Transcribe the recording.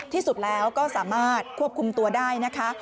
ที่สุดแล้วก็สามารถควบคุมตัวได้นะคะ